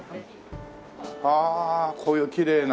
はあこういうきれいな。